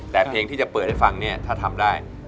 แต่เพลงที่จะเปิดให้ฟังเนี่ยถ้าทำได้